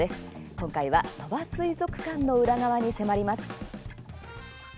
今回は鳥羽水族館の裏側に迫ります。